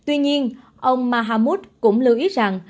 tuy nhiên ông mahmoud cũng lưu ý rằng